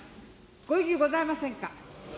ご異議ございませんか。